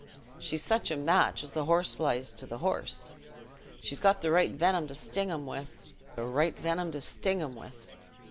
She's such a match as the horse fly is to th' horse: she's got the right venom to sting him with—the right venom to sting him with."